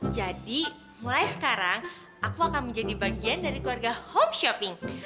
jadi mulai sekarang aku akan menjadi bagian dari keluarga homeshopping